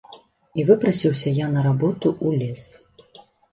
І выпрасіўся я на работу ў лес.